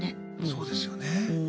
そうですよね。